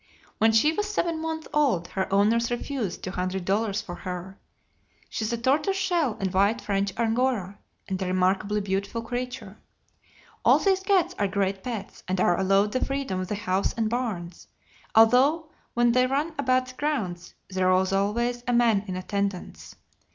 When she was seven months old her owners refused two hundred dollars for her. She is a tortoise shell and white French Angora, and a remarkably beautiful creature. All these cats are great pets, and are allowed the freedom of the house and barns, although when they run about the grounds there is always a man in attendance.